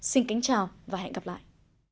xin kính chào và hẹn gặp lại